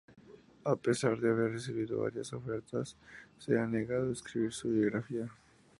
A pesar de haber recibido varias ofertas, se ha negado a escribir su biografía.